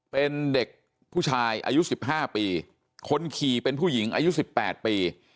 เป็นเด็กผู้ชายอายุสิบห้าปีคนขี่เป็นผู้หญิงอายุสิบแปดปี